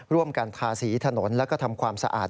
ร่วมกันทาสีถนนและก็ทำความสะอาด